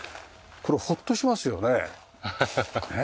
これホッとしますよね。